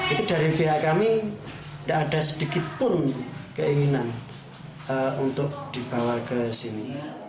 itu dari pihak kami tidak ada sedikit pun keinginan untuk dibawa ke sini